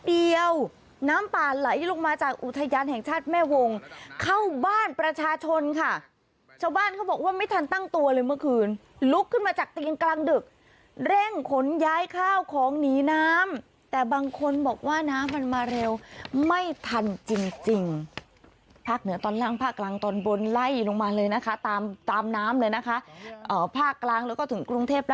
เดียวน้ำป่าไหลลงมาจากอุทยานแห่งชาติแม่วงเข้าบ้านประชาชนค่ะชาวบ้านเขาบอกว่าไม่ทันตั้งตัวเลยเมื่อคืนลุกขึ้นมาจากเตียงกลางดึกเร่งขนย้ายข้าวของหนีน้ำแต่บางคนบอกว่าน้ำมันมาเร็วไม่ทันจริงจริงภาคเหนือตอนล่างภาคกลางตอนบนไล่ลงมาเลยนะคะตามตามน้ำเลยนะคะภาคกลางแล้วก็ถึงกรุงเทพ